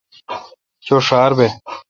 چھو ڄھار بہ۔